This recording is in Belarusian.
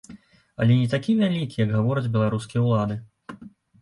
Але не такі вялікі, як гавораць беларускія ўлады.